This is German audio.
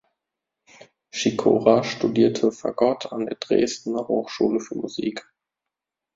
Schikora studierte Fagott an der Dresdner Hochschule für Musik.